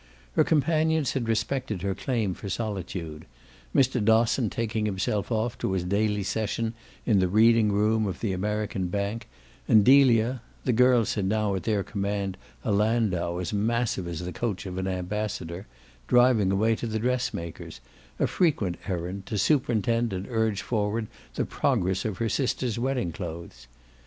Her companions had respected her claim for solitude, Mr. Dosson taking himself off to his daily session in the reading room of the American bank and Delia the girls had now at their command a landau as massive as the coach of an ambassador driving away to the dressmaker's, a frequent errand, to superintend and urge forward the progress of her sister's wedding clothes.